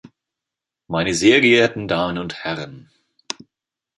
Meine sehr geehrte Damen und Herren!